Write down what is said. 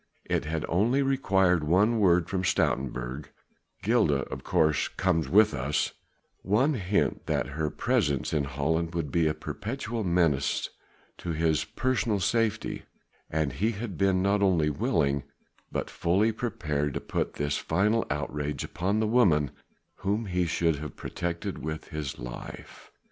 It had only required one word from Stoutenburg "Gilda of course comes with us" one hint that her presence in Holland would be a perpetual menace to his personal safety, and he had been not only willing but fully prepared to put this final outrage upon the woman whom he should have protected with his life.